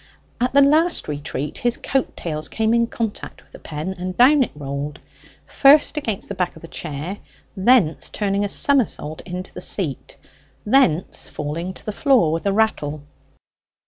At the last retreat his coat tails came in contact with the pen, and down it rolled, first against the back of the chair, thence turning a summersault into the seat, thence falling to the floor with a rattle.